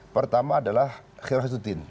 pertama adalah khirahuddin